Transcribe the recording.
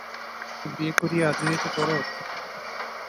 কাল বিয়ে করিয়া আজই এত দরদ!